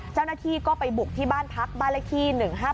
เจ้าหน้าที่ก็ไปบุกที่บ้านพักบ้านเลขที่๑๕๗